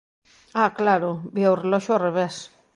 ¡Ah!, claro, vía o reloxo ao revés.